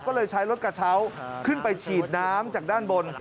ก็เลยใช้รถกระเช้าขึ้นไปฉีดน้ำจากด้านบน